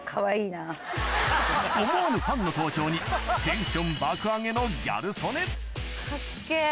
思わぬファンの登場にテンション爆上げのギャル曽根